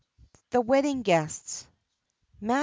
THE WEDDING GUESTS MATT.